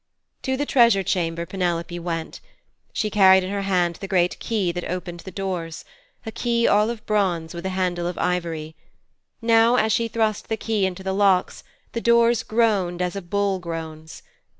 To the treasure chamber Penelope went. She carried in her hand the great key that opened the doors a key all of bronze with a handle of ivory. Now as she thrust the key into the locks, the doors groaned as a bull groans.